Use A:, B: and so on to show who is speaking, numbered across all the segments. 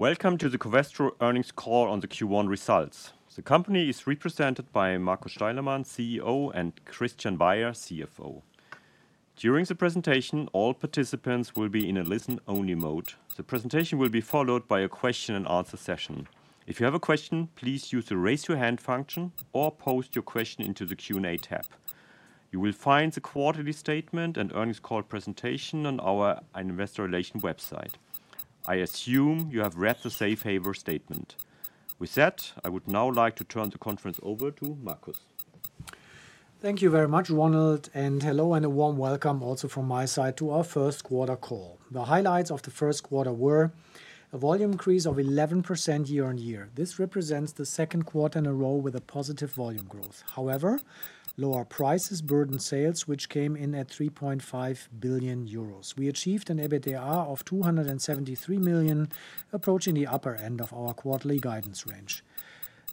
A: Welcome to the Covestro earnings call on the Q1 results. The company is represented by Markus Steilemann, CEO, and Christian Baier, CFO. During the presentation, all participants will be in a listen-only mode. The presentation will be followed by a question-and-answer session. If you have a question, please use the raise-your-hand function or post your question into the Q&A tab. You will find the quarterly statement and earnings call presentation on our Investor Relations website. I assume you have read the Safe Harbor statement. With that, I would now like to turn the conference over to Markus.
B: Thank you very much, Ronald, and hello and a warm welcome also from my side to our first quarter call. The highlights of the first quarter were: a volume increase of 11% year-over-year. This represents the second quarter in a row with a positive volume growth. However, lower prices burden sales, which came in at 3.5 billion euros. We achieved an EBITDA of 273 million, approaching the upper end of our quarterly guidance range.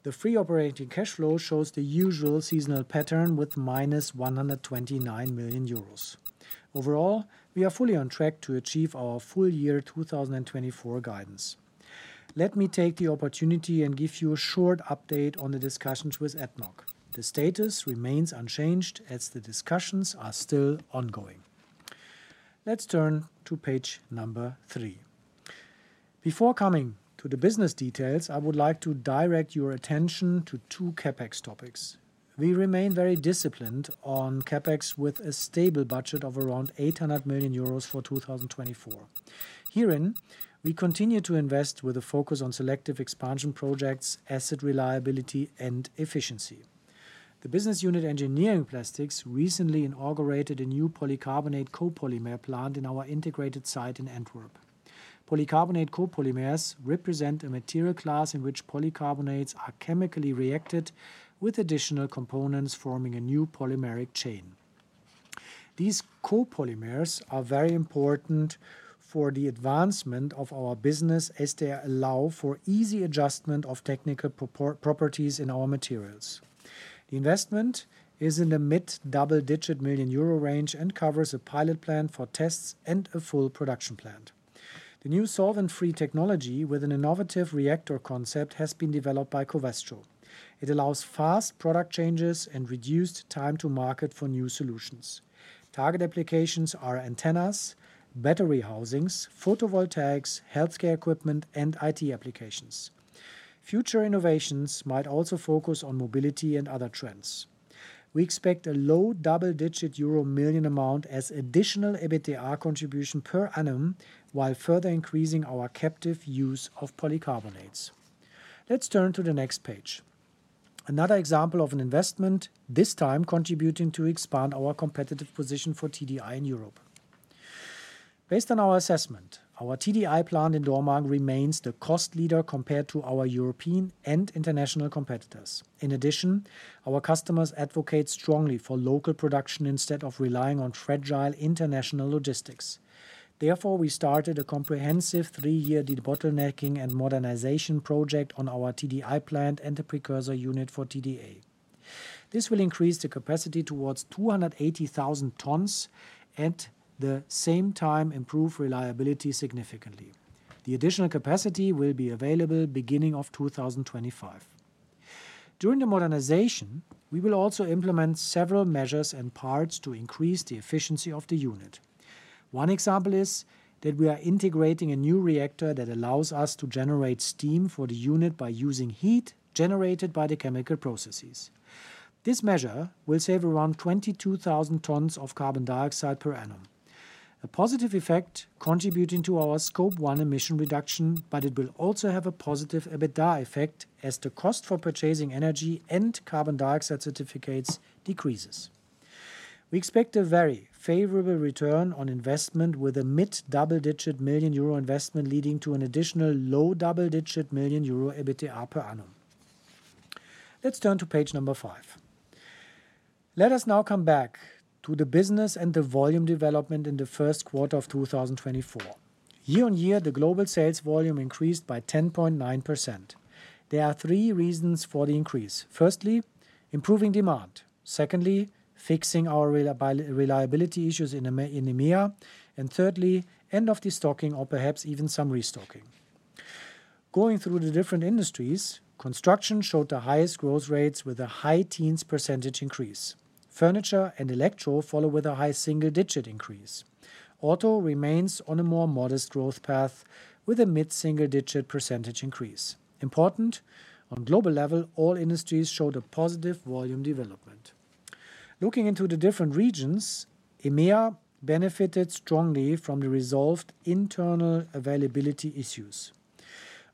B: The free operating cash flow shows the usual seasonal pattern with -129 million euros. Overall, we are fully on track to achieve our full year 2024 guidance. Let me take the opportunity and give you a short update on the discussions with ADNOC. The status remains unchanged as the discussions are still ongoing. Let's turn to page number three. Before coming to the business details, I would like to direct your attention to two CapEx topics. We remain very disciplined on CapEx with a stable budget of around 800 million euros for 2024. Herein, we continue to invest with a focus on selective expansion projects, asset reliability, and efficiency. The business unit Engineering Plastics recently inaugurated a new polycarbonate copolymer plant in our integrated site in Antwerp. Polycarbonate copolymers represent a material class in which polycarbonates are chemically reacted with additional components forming a new polymeric chain. These copolymers are very important for the advancement of our business as they allow for easy adjustment of technical properties in our materials. The investment is in the mid-double-digit million EUR range and covers a pilot plant for tests and a full production plant. The new solvent-free technology with an innovative reactor concept has been developed by Covestro. It allows fast product changes and reduced time to market for new solutions. Target applications are antennas, battery housings, photovoltaics, healthcare equipment, and IT applications. Future innovations might also focus on mobility and other trends. We expect a low double-digit euro million amount as additional EBITDA contribution per annum while further increasing our captive use of polycarbonates. Let's turn to the next page. Another example of an investment, this time contributing to expand our competitive position for TDI in Europe. Based on our assessment, our TDI plant in Dormagen remains the cost leader compared to our European and international competitors. In addition, our customers advocate strongly for local production instead of relying on fragile international logistics. Therefore, we started a comprehensive three-year debottlenecking and modernization project on our TDI plant and the precursor unit for TDA. This will increase the capacity towards 280,000 tons and at the same time improve reliability significantly. The additional capacity will be available beginning of 2025. During the modernization, we will also implement several measures and parts to increase the efficiency of the unit. One example is that we are integrating a new reactor that allows us to generate steam for the unit by using heat generated by the chemical processes. This measure will save around 22,000 tons of carbon dioxide per annum. A positive effect contributing to our Scope 1 emission reduction, but it will also have a positive EBITDA effect as the cost for purchasing energy and carbon dioxide certificates decreases. We expect a very favorable return on investment with a mid-double-digit million EUR investment leading to an additional low double-digit million EUR EBITDA per annum. Let's turn to page number 5. Let us now come back to the business and the volume development in the first quarter of 2024. Year-on-year, the global sales volume increased by 10.9%. There are 3 reasons for the increase. Firstly, improving demand. Secondly, fixing our reliability issues in EMEA. And thirdly, end of the stocking or perhaps even some restocking. Going through the different industries, construction showed the highest growth rates with a high teens percentage increase. Furniture and electro follow with a high single-digit increase. Auto remains on a more modest growth path with a mid-single-digit percentage increase. Important: On global level, all industries showed a positive volume development. Looking into the different regions, EMEA benefited strongly from the resolved internal availability issues.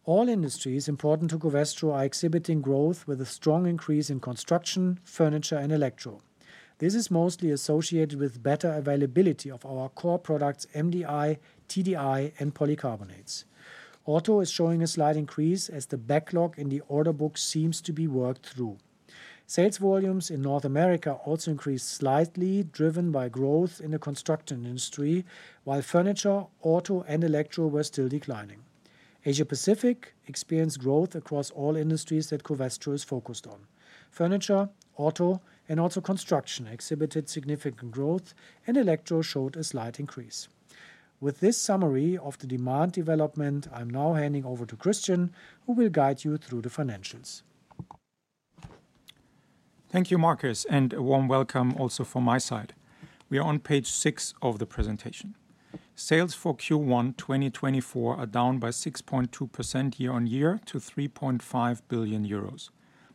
B: All industries important to Covestro are exhibiting growth with a strong increase in construction, furniture, and electro. This is mostly associated with better availability of our core products MDI, TDI, and polycarbonates. Auto is showing a slight increase as the backlog in the order book seems to be worked through. Sales volumes in North America also increased slightly, driven by growth in the construction industry, while furniture, auto, and electro were still declining. Asia Pacific experienced growth across all industries that Covestro is focused on. Furniture, auto, and also construction exhibited significant growth, and electro showed a slight increase. With this summary of the demand development, I'm now handing over to Christian, who will guide you through the financials.
C: Thank you, Markus, and a warm welcome also from my side. We are on page 6 of the presentation. Sales for Q1 2024 are down by 6.2% year-on-year to 3.5 billion euros.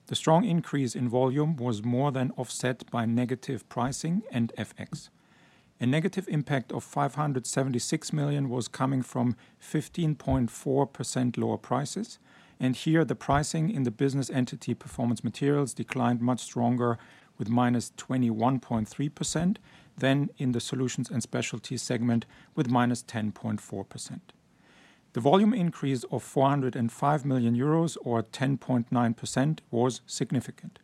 C: The strong increase in volume was more than offset by negative pricing and FX. A negative impact of 576 million was coming from 15.4% lower prices, and here the pricing in the business entity Performance Materials declined much stronger with -21.3% than in the Solutions & Specialties segment with -10.4%. The volume increase of 405 million euros or 10.9% was significant.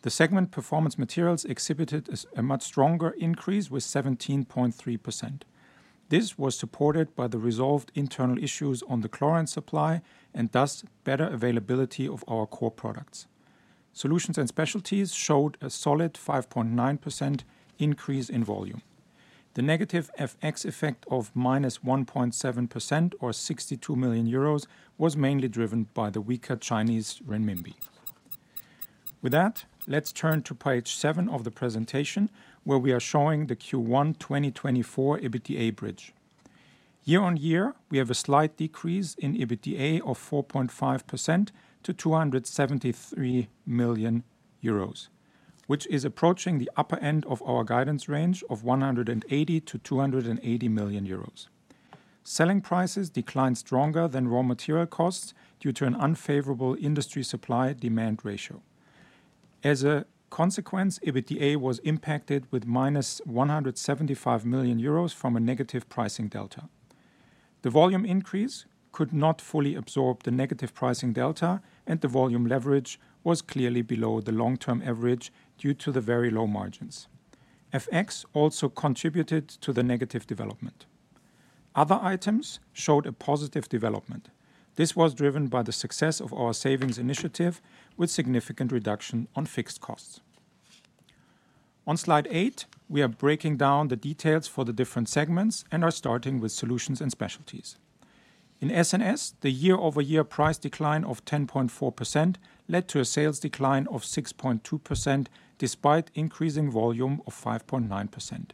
C: The segment Performance Materials exhibited a much stronger increase with 17.3%. This was supported by the resolved internal issues on the chlorine supply and thus better availability of our core products. Solutions & Specialties showed a solid 5.9% increase in volume. The negative FX effect of -1.7% or 62 million euros was mainly driven by the weaker Chinese renminbi. With that, let's turn to page 7 of the presentation, where we are showing the Q1 2024 EBITDA bridge. Year-on-year, we have a slight decrease in EBITDA of 4.5% to 273 million euros, which is approaching the upper end of our guidance range of 180 million-280 million euros. Selling prices declined stronger than raw material costs due to an unfavorable industry supply-demand ratio. As a consequence, EBITDA was impacted with -175 million euros from a negative pricing delta. The volume increase could not fully absorb the negative pricing delta, and the volume leverage was clearly below the long-term average due to the very low margins. FX also contributed to the negative development. Other items showed a positive development. This was driven by the success of our savings initiative with significant reduction on fixed costs. On Slide 8, we are breaking down the details for the different segments and are starting with solutions and specialties. In S&S, the year-over-year price decline of 10.4% led to a sales decline of 6.2% despite increasing volume of 5.9%.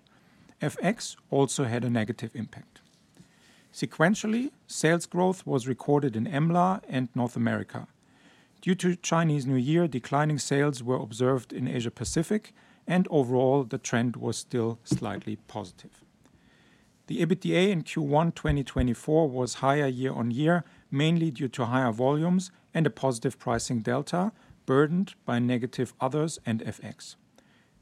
C: FX also had a negative impact. Sequentially, sales growth was recorded in EMLA and North America. Due to Chinese New Year, declining sales were observed in Asia Pacific, and overall, the trend was still slightly positive. The EBITDA in Q1 2024 was higher year-over-year, mainly due to higher volumes and a positive pricing delta burdened by negative others and FX.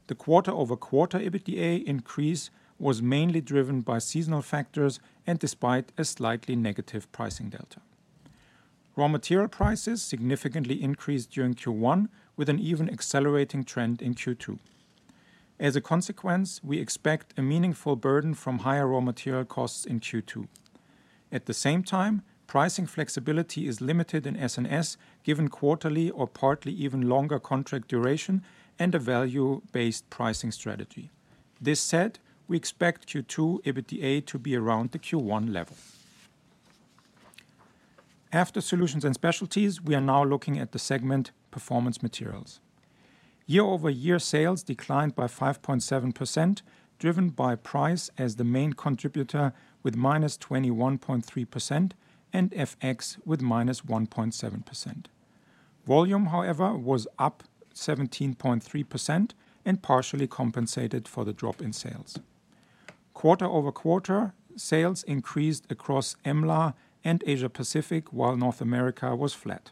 C: The quarter-over-quarter EBITDA increase was mainly driven by seasonal factors and despite a slightly negative pricing delta. Raw material prices significantly increased during Q1 with an even accelerating trend in Q2. As a consequence, we expect a meaningful burden from higher raw material costs in Q2. At the same time, pricing flexibility is limited in S&S given quarterly or partly even longer contract duration and a value-based pricing strategy. This said, we expect Q2 EBITDA to be around the Q1 level. After Solutions and Specialties, we are now looking at the Performance Materials segment. Year-over-year sales declined by 5.7%, driven by price as the main contributor with -21.3% and FX with -1.7%. Volume, however, was up 17.3% and partially compensated for the drop in sales. Quarter-over-quarter, sales increased across EMLA and Asia Pacific while North America was flat.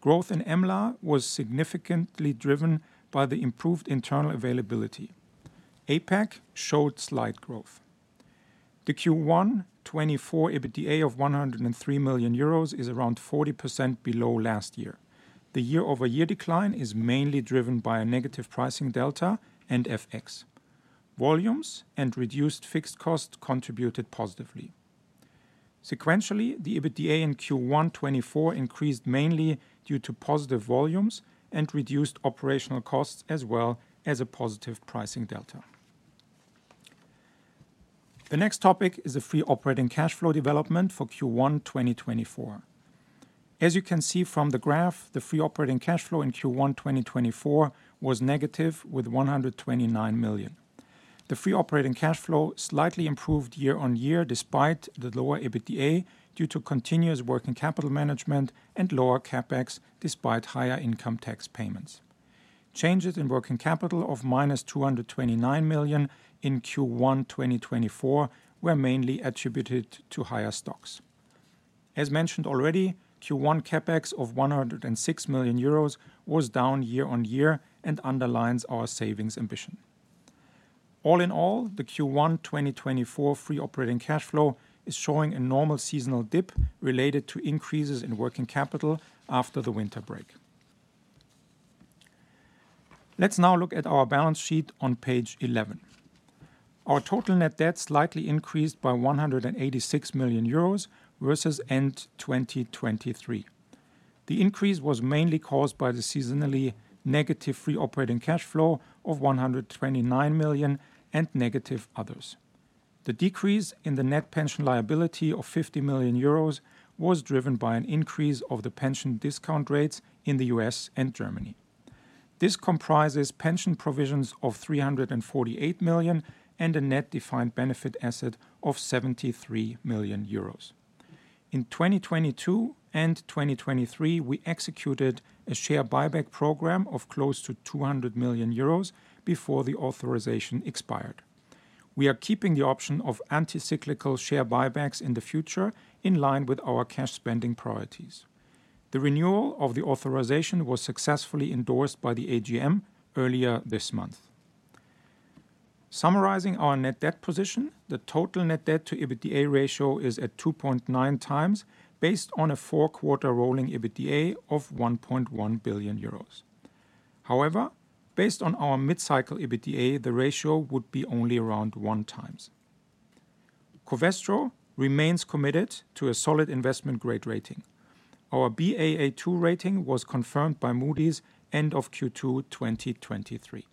C: Growth in EMLA was significantly driven by the improved internal availability. APAC showed slight growth. The Q1 2024 EBITDA of 103 million euros is around 40% below last year. The year-over-year decline is mainly driven by a negative pricing delta and FX. Volumes and reduced fixed costs contributed positively. Sequentially, the EBITDA in Q1 2024 increased mainly due to positive volumes and reduced operational costs as well as a positive pricing delta. The next topic is the free operating cash flow development for Q1 2024. As you can see from the graph, the free operating cash flow in Q1 2024 was negative 129 million. The free operating cash flow slightly improved year-on-year despite the lower EBITDA due to continuous working capital management and lower CapEx despite higher income tax payments. Changes in working capital of -229 million in Q1 2024 were mainly attributed to higher stocks. As mentioned already, Q1 CapEx of 106 million euros was down year-on-year and underlines our savings ambition. All in all, the Q1 2024 free operating cash flow is showing a normal seasonal dip related to increases in working capital after the winter break. Let's now look at our balance sheet on page 11. Our total net debt slightly increased by 186 million euros versus end 2023. The increase was mainly caused by the seasonally negative free operating cash flow of 129 million and negative others. The decrease in the net pension liability of 50 million euros was driven by an increase of the pension discount rates in the U.S. and Germany. This comprises pension provisions of 348 million and a net defined benefit asset of 73 million euros. In 2022 and 2023, we executed a share buyback program of close to 200 million euros before the authorization expired. We are keeping the option of anti-cyclical share buybacks in the future in line with our cash spending priorities. The renewal of the authorization was successfully endorsed by the AGM earlier this month. Summarizing our net debt position, the total net debt to EBITDA ratio is at 2.9 times based on a 4-quarter rolling EBITDA of 1.1 billion euros. However, based on our mid-cycle EBITDA, the ratio would be only around 1 times. Covestro remains committed to a solid investment grade rating. Our Baa2 rating was confirmed by Moody's end of Q2 2023.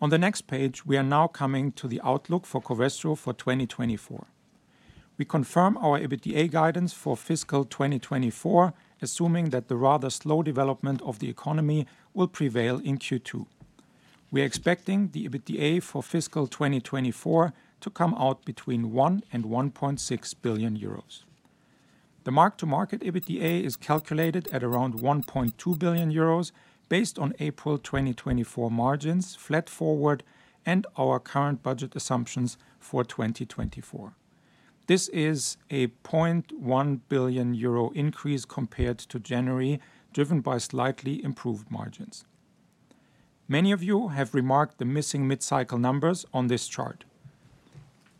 C: On the next page, we are now coming to the outlook for Covestro for 2024. We confirm our EBITDA guidance for fiscal 2024, assuming that the rather slow development of the economy will prevail in Q2. We are expecting the EBITDA for fiscal 2024 to come out between 1 billion and 1.6 billion euros. The mark-to-market EBITDA is calculated at around 1.2 billion euros based on April 2024 margins flat forward and our current budget assumptions for 2024. This is a 0.1 billion euro increase compared to January, driven by slightly improved margins. Many of you have remarked the missing mid-cycle numbers on this chart.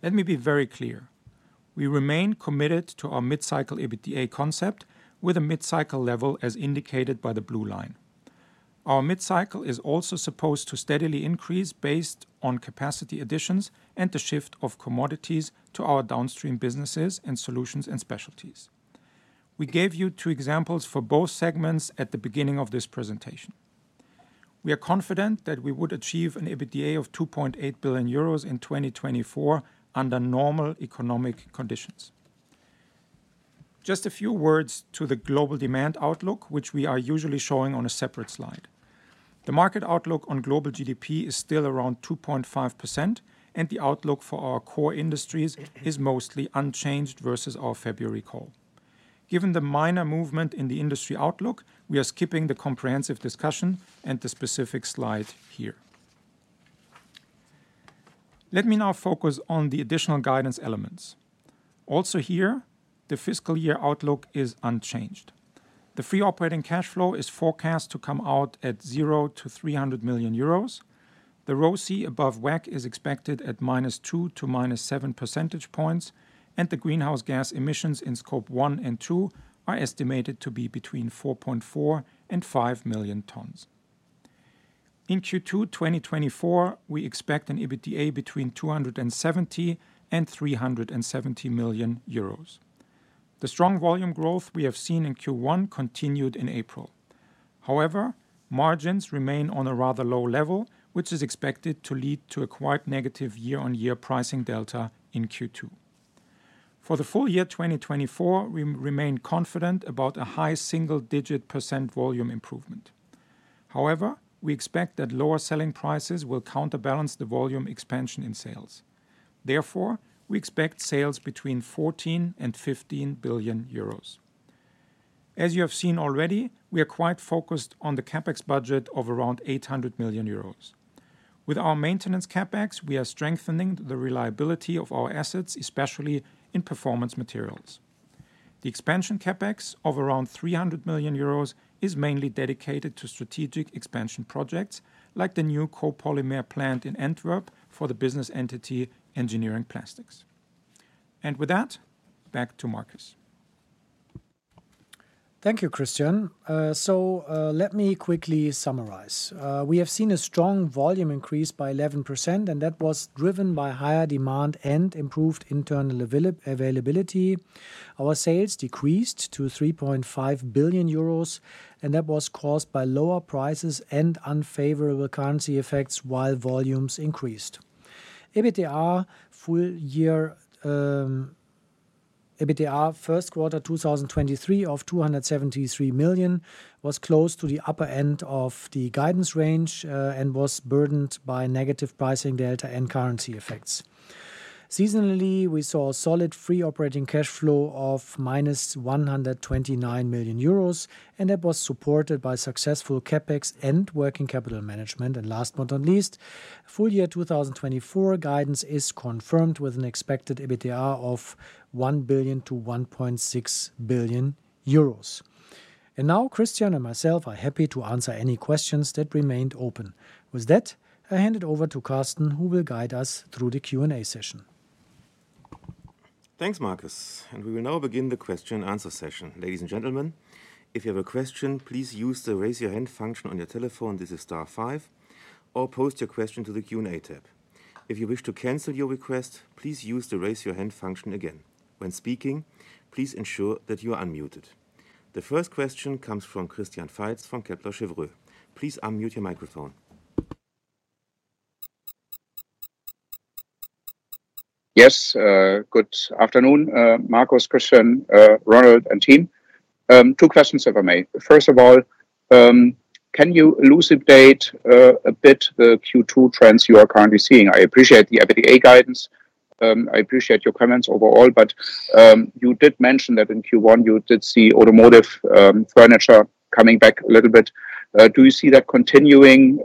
C: Let me be very clear. We remain committed to our mid-cycle EBITDA concept with a mid-cycle level as indicated by the blue line. Our mid-cycle is also supposed to steadily increase based on capacity additions and the shift of commodities to our downstream businesses and solutions and specialties. We gave you two examples for both segments at the beginning of this presentation. We are confident that we would achieve an EBITDA of 2.8 billion euros in 2024 under normal economic conditions. Just a few words to the global demand outlook, which we are usually showing on a separate slide. The market outlook on global GDP is still around 2.5%, and the outlook for our core industries is mostly unchanged versus our February call. Given the minor movement in the industry outlook, we are skipping the comprehensive discussion and the specific slide here. Let me now focus on the additional guidance elements. Also here, the fiscal year outlook is unchanged. The free operating cash flow is forecast to come out at 0 million-300 million euros. The ROCE above WACC is expected at -2 to -7 percentage points, and the greenhouse gas emissions in Scope 1 and 2 are estimated to be between 4.4 and 5 million tons. In Q2 2024, we expect an EBITDA between 270 million and 370 million euros. The strong volume growth we have seen in Q1 continued in April. However, margins remain on a rather low level, which is expected to lead to a quite negative year-on-year pricing delta in Q2. For the full year 2024, we remain confident about a high single-digit % volume improvement. However, we expect that lower selling prices will counterbalance the volume expansion in sales. Therefore, we expect sales between 14 billion and 15 billion euros. As you have seen already, we are quite focused on the CapEx budget of around 800 million euros. With our maintenance CapEx, we are strengthening the reliability of our assets, especially in Performance Materials. The expansion CapEx of around 300 million euros is mainly dedicated to strategic expansion projects like the new copolymer plant in Antwerp for the business entity Engineering Plastics. And with that, back to Markus.
B: Thank you, Christian. So let me quickly summarize. We have seen a strong volume increase by 11%, and that was driven by higher demand and improved internal availability. Our sales decreased to 3.5 billion euros, and that was caused by lower prices and unfavorable currency effects while volumes increased. EBITDA full year EBITDA first quarter 2023 of 273 million was close to the upper end of the guidance range and was burdened by negative pricing delta and currency effects. Seasonally, we saw a solid free operating cash flow of -129 million euros, and that was supported by successful CapEx and working capital management. Last but not least, full year 2024 guidance is confirmed with an expected EBITDA of 1 billion-1.6 billion euros. Now Christian and myself are happy to answer any questions that remained open. With that, I hand it over to Carsten, who will guide us through the Q&A session.
D: Thanks, Markus. We will now begin the question and answer session. Ladies and gentlemen, if you have a question, please use the raise your hand function on your telephone. This is star five, or post your question to the Q&A tab. If you wish to cancel your request, please use the raise your hand function again. When speaking, please ensure that you are unmuted. The first question comes from Christian Faitz from Kepler Cheuvreux. Please unmute your microphone.
E: Yes. Good afternoon, Markus, Christian, Ronald, and team. Two questions, if I may. First of all, can you elucidate a bit the Q2 trends you are currently seeing? I appreciate the EBITDA guidance. I appreciate your comments overall, but you did mention that in Q1 you did see automotive furniture coming back a little bit. Do you see that continuing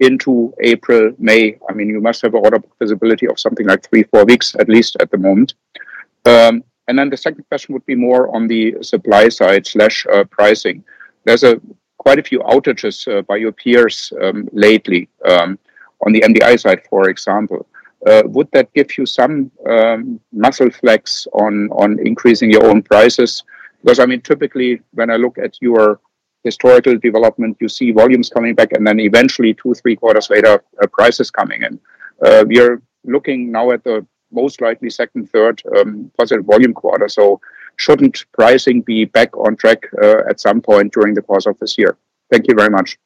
E: into April, May? I mean, you must have order book visibility of something like three, four weeks, at least at the moment. And then the second question would be more on the supply side slash pricing. There's quite a few outages by your peers lately on the MDI side, for example. Would that give you some muscle flex on increasing your own prices? Because, I mean, typically when I look at your historical development, you see volumes coming back and then eventually two, three quarters later prices coming in. We are looking now at the most likely second, third positive volume quarter. So shouldn't pricing be back on track at some point during the course of this year? Thank you very much.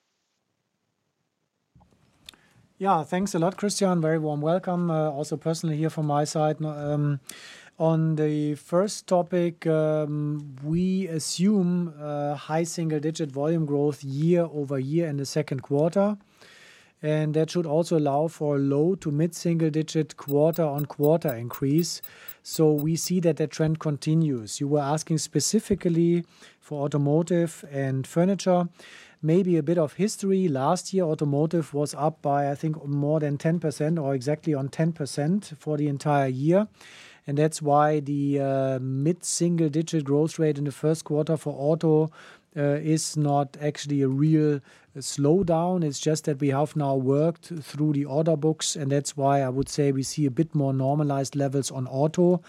B: Yeah, thanks a lot, Christian. Very warm welcome. Also personally here from my side. On the first topic, we assume high single-digit volume growth year over year in the second quarter. And that should also allow for low to mid-single-digit quarter-on-quarter increase. So we see that that trend continues. You were asking specifically for automotive and furniture. Maybe a bit of history. Last year, automotive was up by, I think, more than 10% or exactly on 10% for the entire year. And that's why the mid-single-digit growth rate in the first quarter for auto is not actually a real slowdown. It's just that we have now worked through the order books, and that's why I would say we see a bit more normalized levels on auto.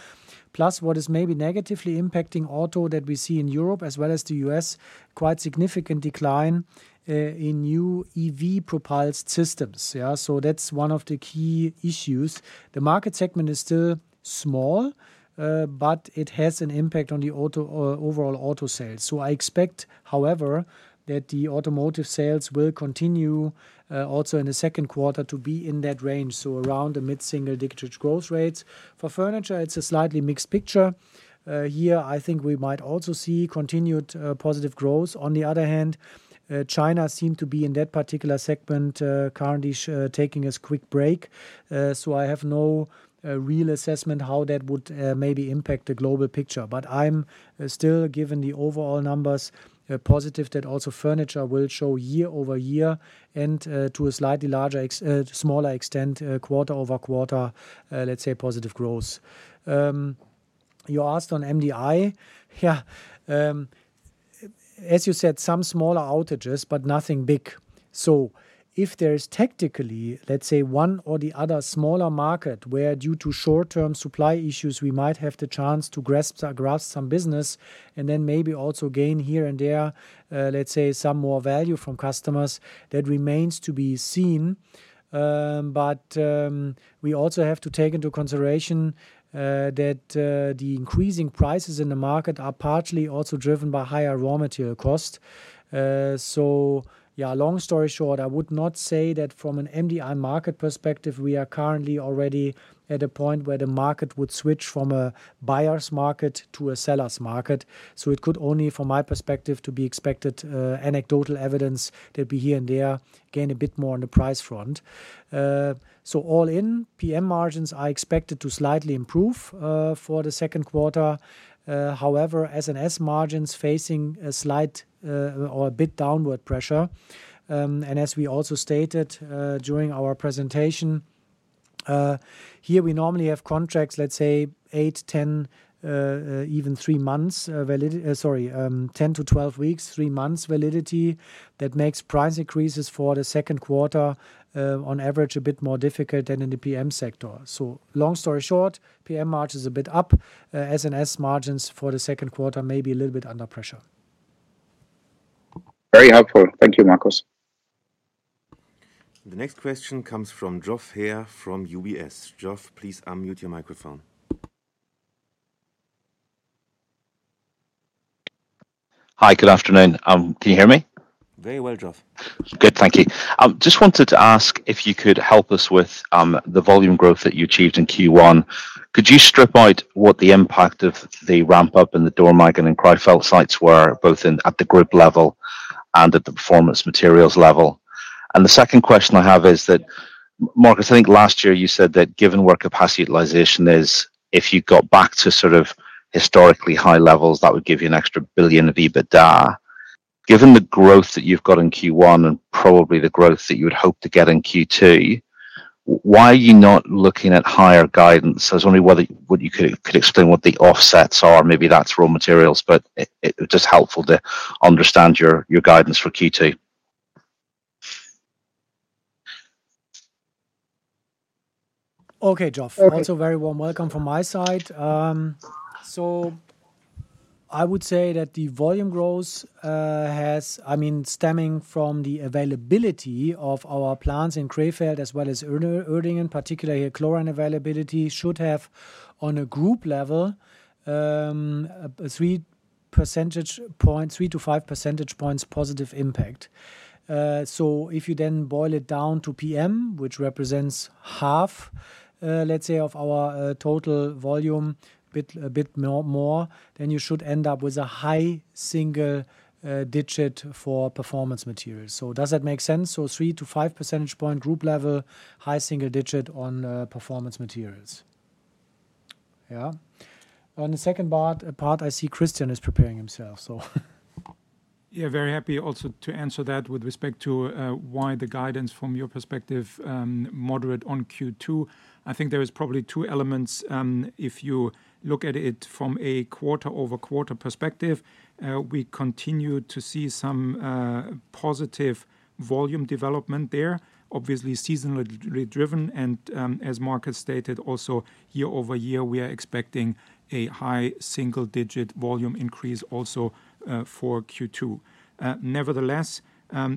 B: Plus, what is maybe negatively impacting auto that we see in Europe as well as the U.S., quite significant decline in new EV-propelled systems. Yeah? So that's one of the key issues. The market segment is still small, but it has an impact on the overall auto sales. So I expect, however, that the automotive sales will continue also in the second quarter to be in that range. So around the mid-single-digit growth rates. For furniture, it's a slightly mixed picture. Here, I think we might also see continued positive growth. On the other hand, China seemed to be in that particular segment currently taking a quick break. So I have no real assessment how that would maybe impact the global picture. But I'm still, given the overall numbers, positive that also furniture will show year-over-year and to a slightly larger smaller extent, quarter-over-quarter, let's say, positive growth. You asked on MDI. Yeah. As you said, some smaller outages, but nothing big. So if there is tactically, let's say, one or the other smaller market where due to short-term supply issues, we might have the chance to grasp some business and then maybe also gain here and there, let's say, some more value from customers, that remains to be seen. But we also have to take into consideration that the increasing prices in the market are partially also driven by higher raw material cost. So yeah, long story short, I would not say that from an MDI market perspective, we are currently already at a point where the market would switch from a buyer's market to a seller's market. So it could only, from my perspective, be expected anecdotal evidence that we here and there gain a bit more on the price front. So all in, PM margins, I expected to slightly improve for the second quarter. However, S&S margins facing a slight or a bit downward pressure. As we also stated during our presentation, here we normally have contracts, let's say, 8, 10, even 3 months, sorry, 10-12 weeks, 3 months validity. That makes price increases for the second quarter, on average, a bit more difficult than in the PM sector. So long story short, PM margins a bit up. S&S margins for the second quarter may be a little bit under pressure.
E: Very helpful. Thank you, Markus.
D: The next question comes from Geoff Haire from UBS. Geoff, please unmute your microphone.
F: Hi. Good afternoon. Can you hear me?
D: Very well, Geoff.
F: Good. Thank you. Just wanted to ask if you could help us with the volume growth that you achieved in Q1. Could you strip out what the impact of the ramp-up in the Dormagen and Krefeld sites were, both at the group level and at the Performance Materials level? And the second question I have is that, Markus, I think last year you said that given where capacity utilization is, if you got back to sort of historically high levels, that would give you an extra 1 billion of EBITDA. Given the growth that you've got in Q1 and probably the growth that you would hope to get in Q2, why are you not looking at higher guidance? I was wondering whether you could explain what the offsets are. Maybe that's raw materials, but it would just be helpful to understand your guidance for Q2.
B: Okay, Geoff. Also very warm welcome from my side. So I would say that the volume growth has I mean, stemming from the availability of our plants in Krefeld as well as Uerdingen in particular here, chlorine availability should have, on a group level, 3-5 percentage points positive impact. So if you then boil it down to PM, which represents half, let's say, of our total volume, a bit more, then you should end up with a high single-digit for Performance Materials. So does that make sense? So 3-5 percentage point group level, high single-digit on Performance Materials. Yeah? On the second part, I see Christian is preparing himself, so.
C: Yeah, very happy also to answer that with respect to why the guidance, from your perspective, moderate on Q2. I think there is probably two elements. If you look at it from a quarter-over-quarter perspective, we continue to see some positive volume development there, obviously seasonally driven. And as Markus stated, also year-over-year, we are expecting a high single-digit volume increase also for Q2. Nevertheless,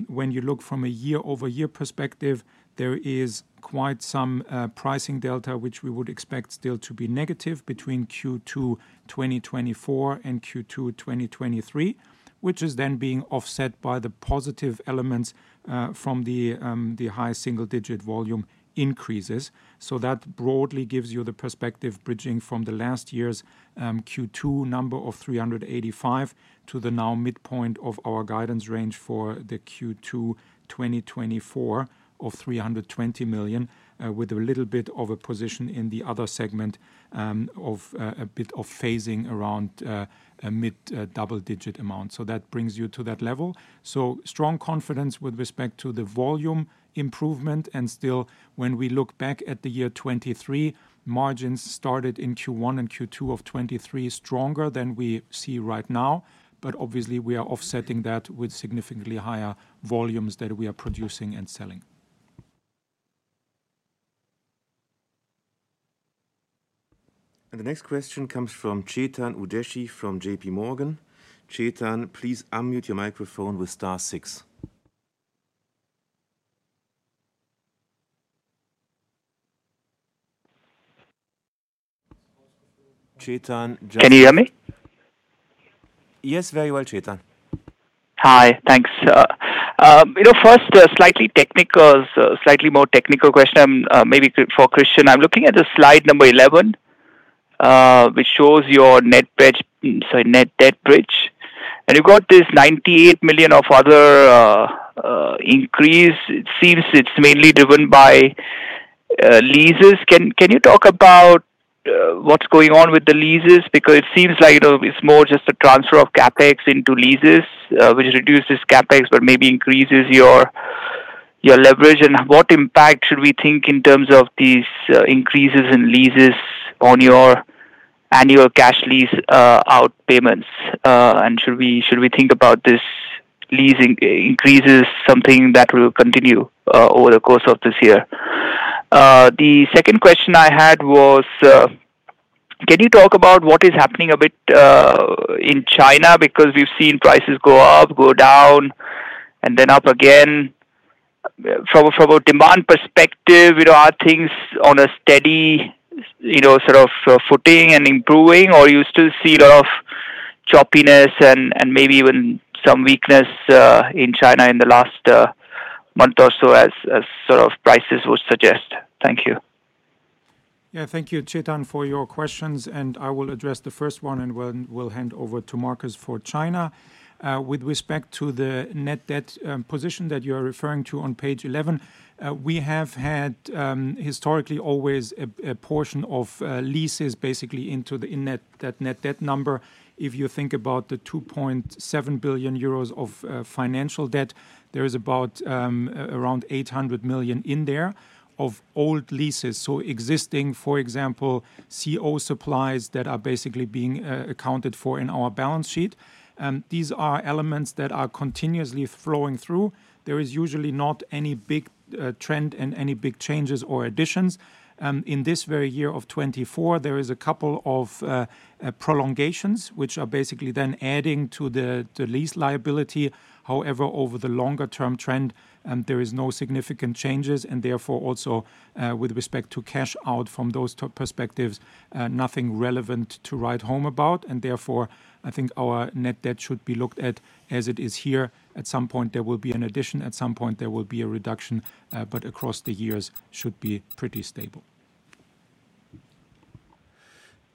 C: when you look from a year-over-year perspective, there is quite some pricing delta, which we would expect still to be negative between Q2 2024 and Q2 2023, which is then being offset by the positive elements from the high single-digit volume increases. That broadly gives you the perspective bridging from last year's Q2 number of 385 million to the midpoint of our guidance range for Q2 2024 of 320 million, with a little bit of a position in the other segment of a bit of phasing around mid-double-digit amounts. That brings you to that level. Strong confidence with respect to the volume improvement. Still, when we look back at the year 2023, margins started in Q1 and Q2 of 2023 stronger than we see right now. But obviously, we are offsetting that with significantly higher volumes that we are producing and selling.
D: The next question comes from Chetan Udeshi from JPMorgan. Chetan, please unmute your microphone with star six. Chetan.
G: Can you hear me?
D: Yes, very well, Chetan.
G: Hi. Thanks. First, a slightly more technical question maybe for Christian. I'm looking at the slide number 11, which shows your net debt bridge. And you've got this 98 million of other increase. It seems it's mainly driven by leases. Can you talk about what's going on with the leases? Because it seems like it's more just a transfer of CapEx into leases, which reduces CapEx but maybe increases your leverage. And what impact should we think in terms of these increases in leases on your annual cash lease outpayments? And should we think about these leasing increases something that will continue over the course of this year? The second question I had was, can you talk about what is happening a bit in China? Because we've seen prices go up, go down, and then up again. From a demand perspective, are things on a steady sort of footing and improving, or do you still see a lot of choppiness and maybe even some weakness in China in the last month or so as sort of prices would suggest? Thank you.
C: Yeah, thank you, Chetan, for your questions. I will address the first one, and we'll hand over to Markus for China. With respect to the net debt position that you are referring to on page 11, we have had historically always a portion of leases basically into that net debt number. If you think about the 2.7 billion euros of financial debt, there is around 800 million in there of old leases. So existing, for example, CO supplies that are basically being accounted for in our balance sheet. These are elements that are continuously flowing through. There is usually not any big trend and any big changes or additions. In this very year of 2024, there is a couple of prolongations, which are basically then adding to the lease liability. However, over the longer-term trend, there is no significant changes. Therefore, also with respect to cash out from those perspectives, nothing relevant to write home about. Therefore, I think our net debt should be looked at as it is here. At some point, there will be an addition. At some point, there will be a reduction. Across the years, it should be pretty stable.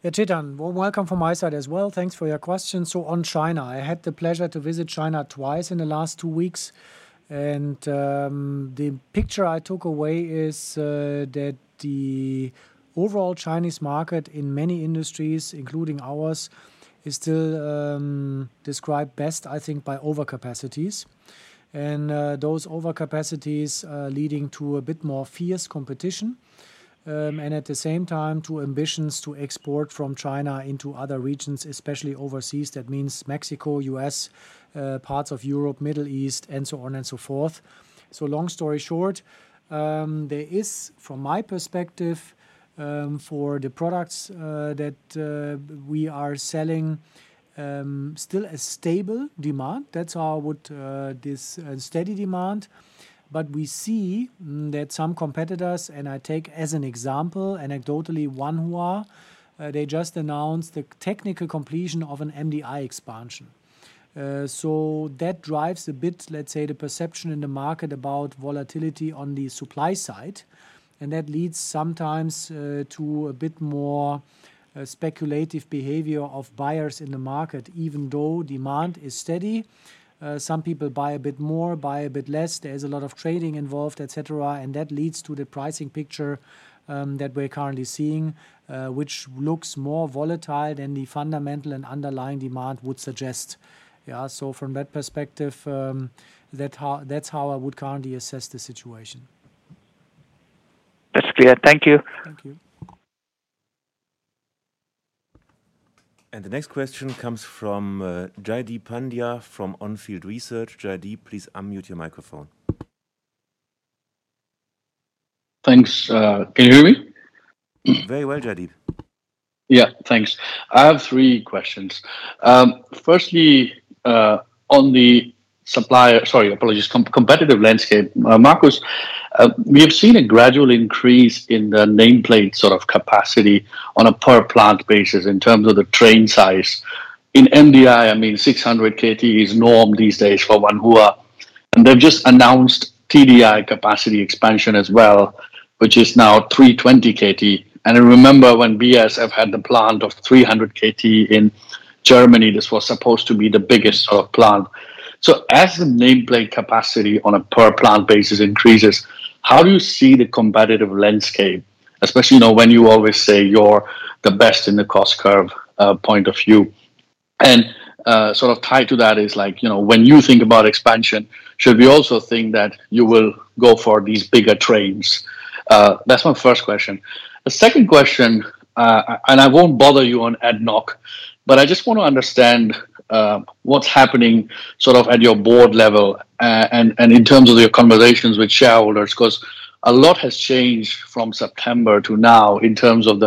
B: Yeah, Chetan, warm welcome from my side as well. Thanks for your question. So on China, I had the pleasure to visit China twice in the last two weeks. And the picture I took away is that the overall Chinese market in many industries, including ours, is still described best, I think, by overcapacities. And those overcapacities are leading to a bit more fierce competition and at the same time to ambitions to export from China into other regions, especially overseas. That means Mexico, U.S., parts of Europe, Middle East, and so on and so forth. So long story short, there is, from my perspective, for the products that we are selling, still a stable demand. That's how I would describe this steady demand. But we see that some competitors and I take as an example, anecdotally, Wanhua, they just announced the technical completion of an MDI expansion. So that drives a bit, let's say, the perception in the market about volatility on the supply side. That leads sometimes to a bit more speculative behavior of buyers in the market, even though demand is steady. Some people buy a bit more, buy a bit less. There's a lot of trading involved, etc. That leads to the pricing picture that we're currently seeing, which looks more volatile than the fundamental and underlying demand would suggest. Yeah? From that perspective, that's how I would currently assess the situation.
G: That's clear. Thank you.
B: Thank you.
D: The next question comes from Jaideep Pandya from On Field Research. Jaideep, please unmute your microphone.
H: Thanks. Can you hear me?
D: Very well, Jaideep.
H: Yeah. Thanks. I have three questions. Firstly, on the supplier sorry, apologies, competitive landscape. Markus, we have seen a gradual increase in the nameplate sort of capacity on a per-plant basis in terms of the train size. In MDI, I mean, 600 kt is norm these days for Wanhua. And they've just announced TDI capacity expansion as well, which is now 320 kt. And I remember when BASF had the plant of 300 kt in Germany, this was supposed to be the biggest sort of plant. So as the nameplate capacity on a per-plant basis increases, how do you see the competitive landscape, especially when you always say you're the best in the cost curve point of view? And sort of tied to that is, when you think about expansion, should we also think that you will go for these bigger trains? That's my first question. The second question and I won't bother you on ad hoc, but I just want to understand what's happening sort of at your board level and in terms of your conversations with shareholders because a lot has changed from September to now in terms of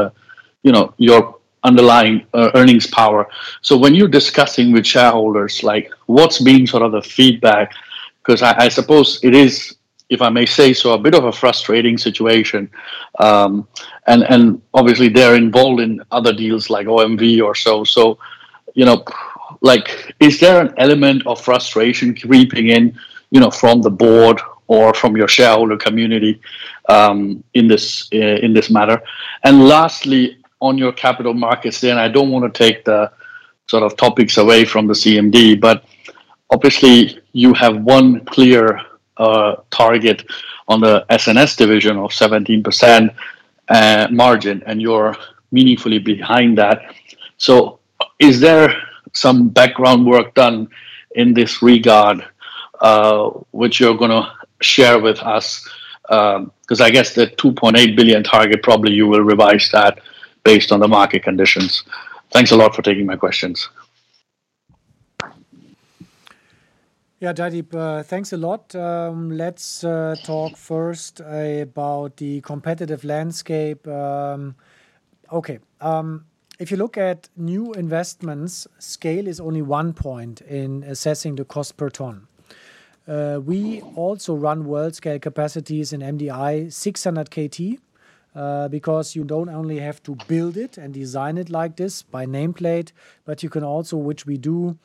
H: your underlying earnings power. So when you're discussing with shareholders, what's been sort of the feedback? Because I suppose it is, if I may say so, a bit of a frustrating situation. And obviously, they're involved in other deals like OMV or so. So is there an element of frustration creeping in from the board or from your shareholder community in this matter? And lastly, on your capital markets then, I don't want to take the sort of topics away from the CMD, but obviously, you have one clear target on the S&S division of 17% margin, and you're meaningfully behind that. Is there some background work done in this regard, which you're going to share with us? Because I guess the 2.8 billion target, probably you will revise that based on the market conditions. Thanks a lot for taking my questions.
B: Yeah, Jaideep, thanks a lot. Let's talk first about the competitive landscape. Okay. If you look at new investments, scale is only one point in assessing the cost per ton. We also run world-scale capacities in MDI, 600 kt, because you don't only have to build it and design it like this by nameplate, but you can also, which we do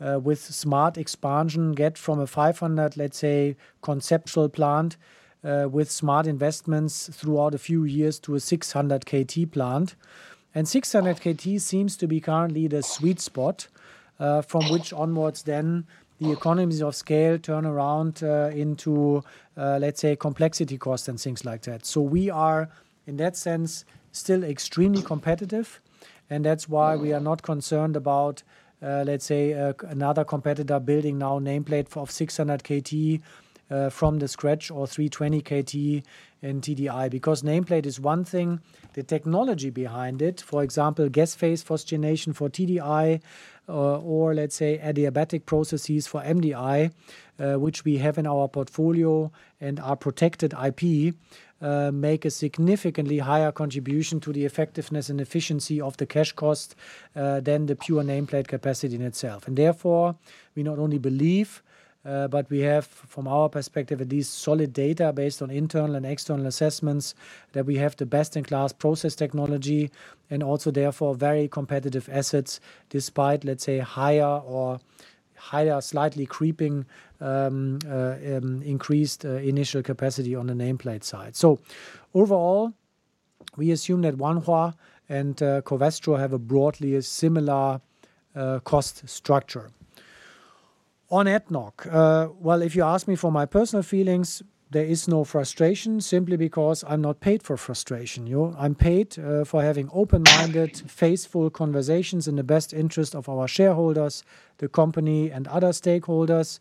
B: with smart expansion, get from a 500, let's say, conceptual plant with smart investments throughout a few years to a 600 kt plant. And 600 kt seems to be currently the sweet spot from which onwards, then the economies of scale turn around into, let's say, complexity costs and things like that. So we are, in that sense, still extremely competitive. And that's why we are not concerned about, let's say, another competitor building now nameplate of 600 kt from the scratch or 320 kt in TDI. Because nameplate is one thing. The technology behind it, for example, gas-phase phosgenation for TDI or, let's say, adiabatic processes for MDI, which we have in our portfolio and are protected IP, make a significantly higher contribution to the effectiveness and efficiency of the cash cost than the pure nameplate capacity in itself. Therefore, we not only believe, but we have, from our perspective, at least solid data based on internal and external assessments that we have the best-in-class process technology and also, therefore, very competitive assets despite, let's say, higher or slightly creeping increased initial capacity on the nameplate side. So overall, we assume that Wanhua and Covestro have a broadly similar cost structure. On ADNOC, well, if you ask me for my personal feelings, there is no frustration simply because I'm not paid for frustration. I'm paid for having open-minded, faithful conversations in the best interest of our shareholders, the company, and other stakeholders,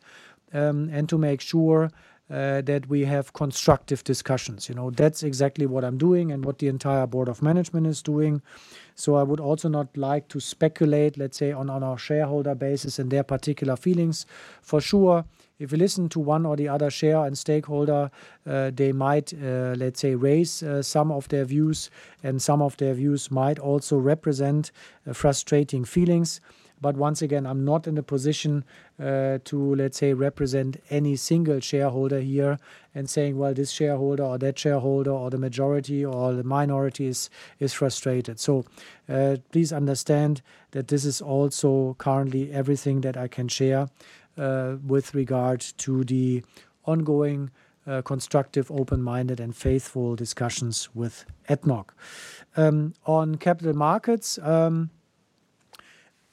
B: and to make sure that we have constructive discussions. That's exactly what I'm doing and what the entire Board of Management is doing. So I would also not like to speculate, let's say, on our shareholder basis and their particular feelings. For sure, if you listen to one or the other shareholder and stakeholder, they might, let's say, raise some of their views, and some of their views might also represent frustrated feelings. But once again, I'm not in the position to, let's say, represent any single shareholder here and saying, "Well, this shareholder or that shareholder or the majority or the minority is frustrated." So please understand that this is also currently everything that I can share with regard to the ongoing constructive, open-minded, and faithful discussions with ADNOC. On capital markets,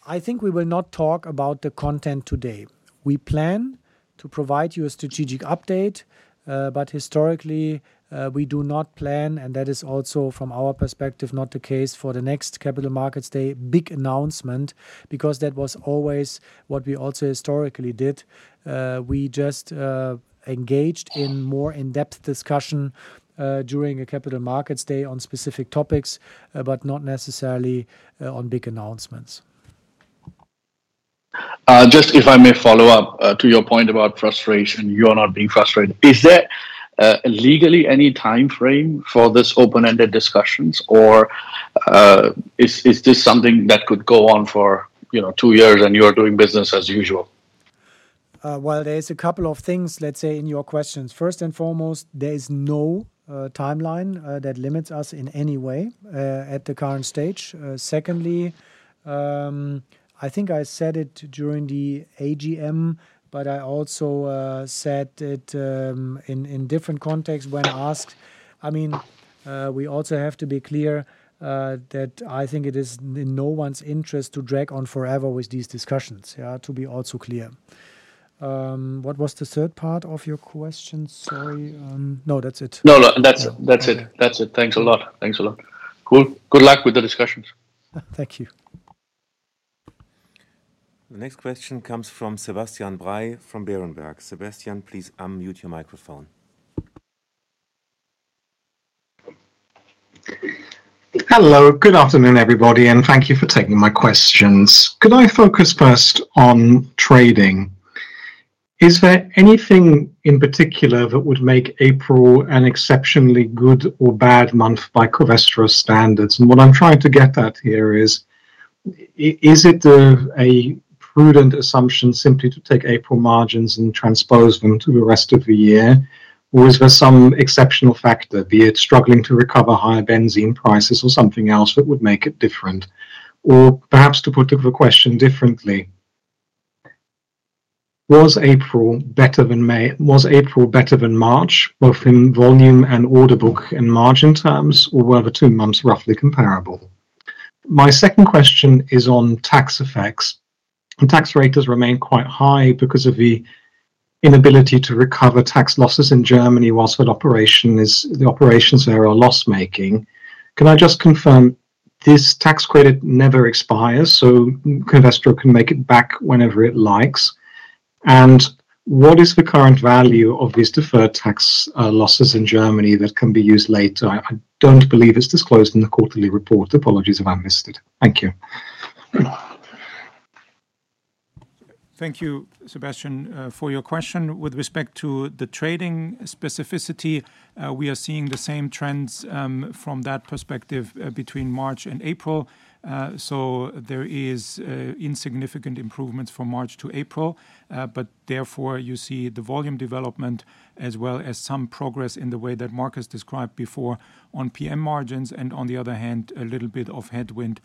B: I think we will not talk about the content today. We plan to provide you a strategic update, but historically, we do not plan. That is also, from our perspective, not the case for the next Capital Markets Day big announcement because that was always what we also historically did. We just engaged in more in-depth discussion during a Capital Markets Day on specific topics but not necessarily on big announcements.
H: Just if I may follow up to your point about frustration, you are not being frustrated. Is there legally any time frame for these open-ended discussions, or is this something that could go on for two years, and you are doing business as usual?
B: Well, there is a couple of things, let's say, in your questions. First and foremost, there is no timeline that limits us in any way at the current stage. Secondly, I think I said it during the AGM, but I also said it in different contexts when asked. I mean, we also have to be clear that I think it is in no one's interest to drag on forever with these discussions, yeah, to be also clear. What was the third part of your question? Sorry. No, that's it.
H: No, no. That's it. That's it. Thanks a lot. Thanks a lot. Cool. Good luck with the discussions.
B: Thank you.
D: The next question comes from Sebastian Bray from Berenberg. Sebastian, please unmute your microphone.
I: Hello. Good afternoon, everybody, and thank you for taking my questions. Could I focus first on trading? Is there anything in particular that would make April an exceptionally good or bad month by Covestro standards? And what I'm trying to get at here is, is it a prudent assumption simply to take April margins and transpose them to the rest of the year, or is there some exceptional factor, be it struggling to recover higher benzene prices or something else that would make it different? Or perhaps to put the question differently, was April better than May? Was April better than March, both in volume and order book and margin terms, or were the two months roughly comparable? My second question is on tax effects. Tax rates remain quite high because of the inability to recover tax losses in Germany while the operations there are loss-making. Can I just confirm, this tax credit never expires, so Covestro can make it back whenever it likes? And what is the current value of these deferred tax losses in Germany that can be used later? I don't believe it's disclosed in the quarterly report. Apologies if I've missed it. Thank you.
C: Thank you, Sebastian, for your question. With respect to the trading specificity, we are seeing the same trends from that perspective between March and April. So there are insignificant improvements from March to April, but therefore, you see the volume development as well as some progress in the way that Markus described before on PM margins and, on the other hand, a little bit of headwind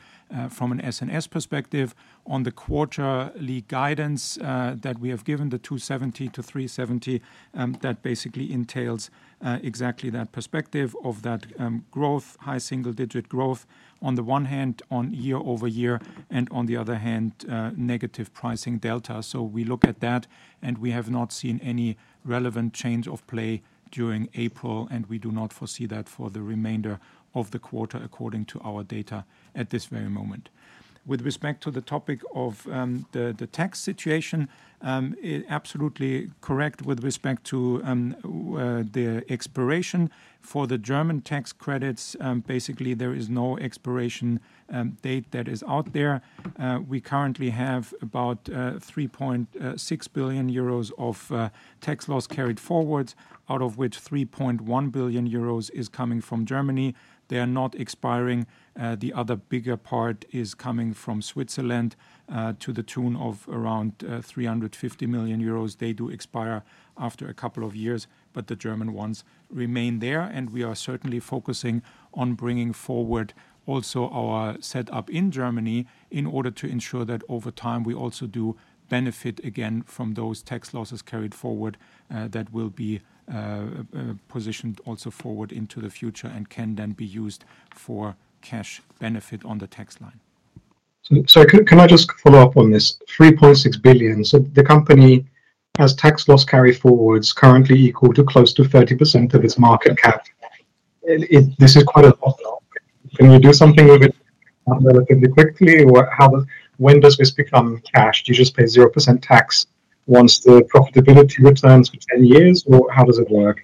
C: from an S&S perspective. On the quarterly guidance that we have given, the 270-370, that basically entails exactly that perspective of that growth, high single-digit growth on the one hand, on year-over-year, and on the other hand, negative pricing delta. So we look at that, and we have not seen any relevant change of play during April, and we do not foresee that for the remainder of the quarter according to our data at this very moment. With respect to the topic of the tax situation, absolutely correct with respect to the expiration for the German tax credits. Basically, there is no expiration date that is out there. We currently have about 3.6 billion euros of tax loss carried forwards, out of which 3.1 billion euros is coming from Germany. They are not expiring. The other bigger part is coming from Switzerland to the tune of around 350 million euros. They do expire after a couple of years, but the German ones remain there. And we are certainly focusing on bringing forward also our setup in Germany in order to ensure that over time, we also do benefit again from those tax losses carried forward that will be positioned also forward into the future and can then be used for cash benefit on the tax line.
I: So can I just follow up on this? 3.6 billion, so the company has tax loss carried forwards currently equal to close to 30% of its market cap. This is quite a lot. Can you do something with it relatively quickly, or when does this become cashed? Do you just pay 0% tax once the profitability returns for 10 years, or how does it work?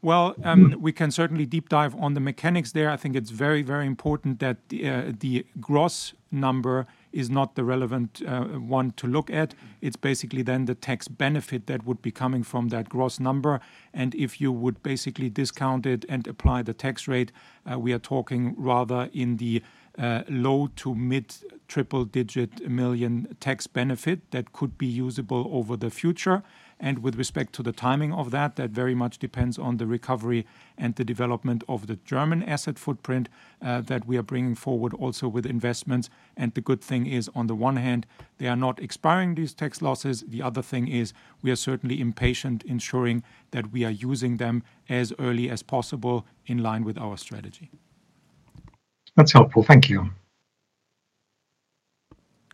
C: Well, we can certainly deep dive on the mechanics there. I think it's very, very important that the gross number is not the relevant one to look at. It's basically then the tax benefit that would be coming from that gross number. And if you would basically discount it and apply the tax rate, we are talking rather in the low- to mid-triple-digit million EUR tax benefit that could be usable over the future. And with respect to the timing of that, that very much depends on the recovery and the development of the German asset footprint that we are bringing forward also with investments. And the good thing is, on the one hand, they are not expiring, these tax losses. The other thing is, we are certainly impatient ensuring that we are using them as early as possible in line with our strategy.
I: That's helpful. Thank you.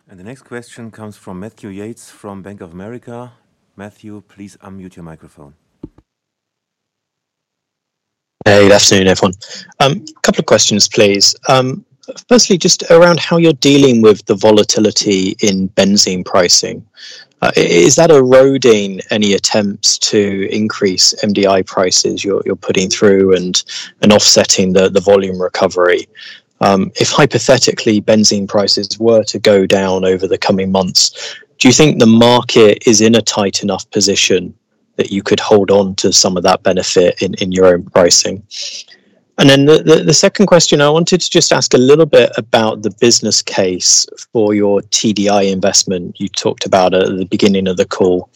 D: The next question comes from Matthew Yates from Bank of America. Matthew, please unmute your microphone.
J: Good afternoon, everyone. Couple of questions, please. Firstly, just around how you're dealing with the volatility in benzene pricing. Is that eroding any attempts to increase MDI prices you're putting through and offsetting the volume recovery? If hypothetically, benzene prices were to go down over the coming months, do you think the market is in a tight enough position that you could hold on to some of that benefit in your own pricing? And then the second question, I wanted to just ask a little bit about the business case for your TDI investment you talked about at the beginning of the call.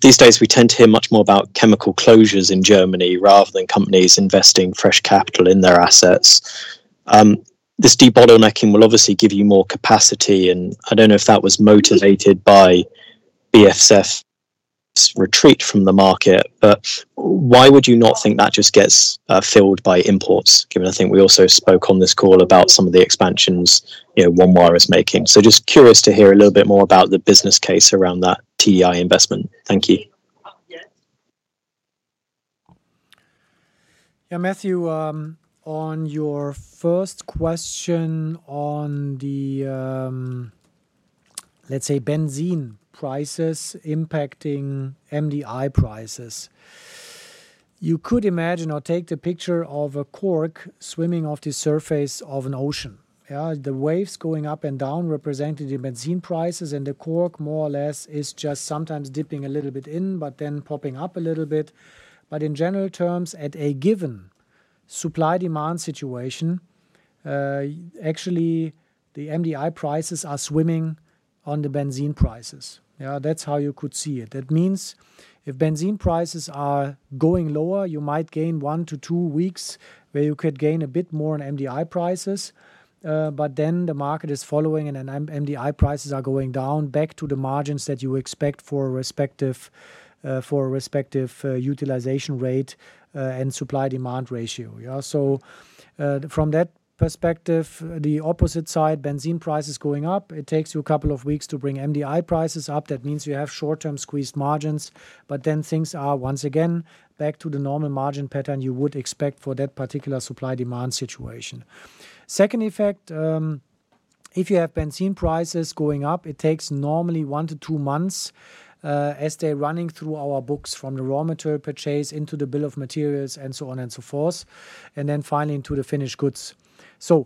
J: These days, we tend to hear much more about chemical closures in Germany rather than companies investing fresh capital in their assets. This debottlenecking will obviously give you more capacity. I don't know if that was motivated by BASF's retreat from the market, but why would you not think that just gets filled by imports, given I think we also spoke on this call about some of the expansions Wanhua is making? So just curious to hear a little bit more about the business case around that TDI investment. Thank you.
B: Yeah, Matthew, on your first question on the, let's say, benzene prices impacting MDI prices, you could imagine or take the picture of a cork swimming on the surface of an ocean. Yeah, the waves going up and down represented the benzene prices, and the cork more or less is just sometimes dipping a little bit in but then popping up a little bit. But in general terms, at a given supply-demand situation, actually, the MDI prices are swimming on the benzene prices. Yeah, that's how you could see it. That means if benzene prices are going lower, you might gain 1-2 weeks where you could gain a bit more in MDI prices. But then the market is following, and MDI prices are going down back to the margins that you expect for a respective utilization rate and supply-demand ratio. Yeah, so from that perspective, the opposite side, benzene prices going up, it takes you a couple of weeks to bring MDI prices up. That means you have short-term squeezed margins. But then things are, once again, back to the normal margin pattern you would expect for that particular supply-demand situation. Second effect, if you have benzene prices going up, it takes normally 1-2 months as they're running through our books from the raw material purchase into the bill of materials and so on and so forth, and then finally into the finished goods. So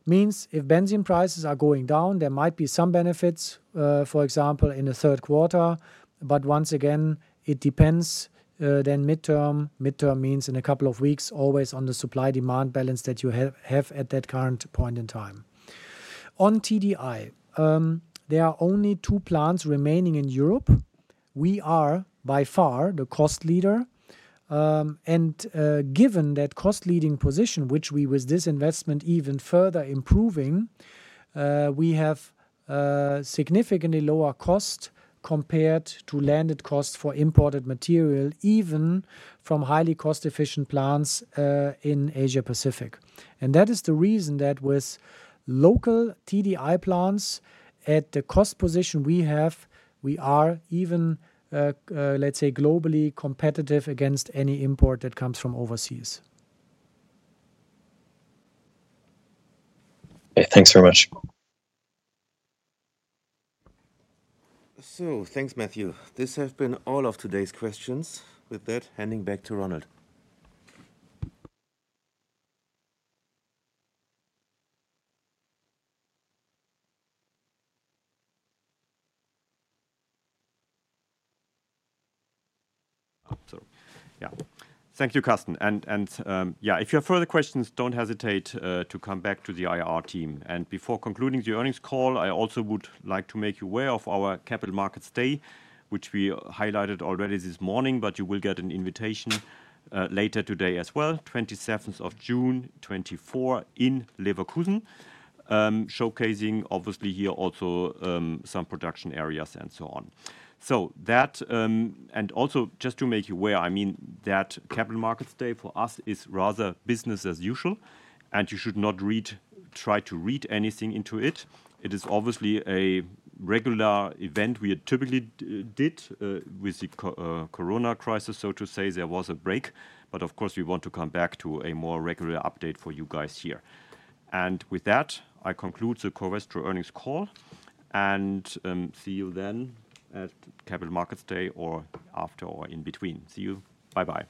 B: it means if benzene prices are going down, there might be some benefits, for example, in the third quarter. But once again, it depends then midterm. Midterm means in a couple of weeks, always on the supply-demand balance that you have at that current point in time. On TDI, there are only two plants remaining in Europe. We are by far the cost leader. And given that cost-leading position, which we with this investment even further improving, we have significantly lower cost compared to landed cost for imported material, even from highly cost-efficient plants in Asia-Pacific. And that is the reason that with local TDI plants, at the cost position we have, we are even, let's say, globally competitive against any import that comes from overseas.
D: Okay. Thanks very much. So thanks, Matthew. These have been all of today's questions. With that, handing back to Ronald.
A: Sorry. Yeah. Thank you, Carsten. Yeah, if you have further questions, don't hesitate to come back to the IR team. Before concluding the earnings call, I also would like to make you aware of our Capital Markets Day, which we highlighted already this morning, but you will get an invitation later today as well, 27th of June, 2024, in Leverkusen, showcasing, obviously, here also some production areas and so on. So that, and also, just to make you aware, I mean, that Capital Markets Day for us is rather business as usual. You should not try to read anything into it. It is obviously a regular event we typically did with the corona crisis, so to say. There was a break. Of course, we want to come back to a more regular update for you guys here. And with that, I conclude the Covestro earnings call and see you then at Capital Markets Day or after or in between. See you. Bye-bye.